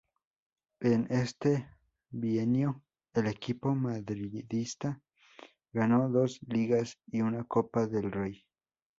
En este bienio, el equipo madridista ganó dos Ligas y una Copa del Rey.